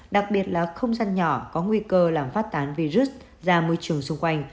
đặc biệt là không gian nhỏ có nguy cơ làm phát tán virus ra môi trường xung quanh